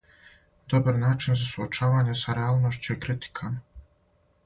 Добар начин за суочавање са реалношћу и критикама.